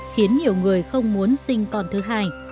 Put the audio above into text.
khiến nhiều người không muốn sinh con thứ hai